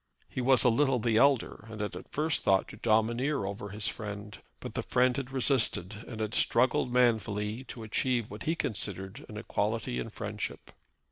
He was a little the elder, and had at first thought to domineer over his friend. But the friend had resisted, and had struggled manfully to achieve what he considered an equality in friendship.